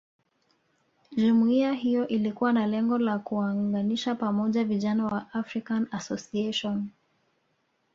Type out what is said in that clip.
Jumuiya hiyo ilikuwa na lengo la kuwaunganisha pamoja vijana wa African Association